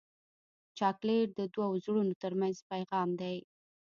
چاکلېټ د دوو زړونو ترمنځ پیغام دی.